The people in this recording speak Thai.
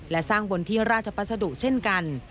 และสร้างบนที่ราชพัสดุเช่นกัน